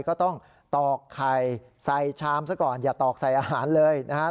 ก็ต้องตอกไข่ใส่ชามซะก่อนอย่าตอกใส่อาหารเลยนะครับ